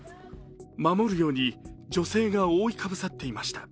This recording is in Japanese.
守るように女性が覆い被さっていました。